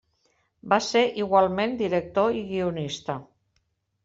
Va ser igualment director i guionista.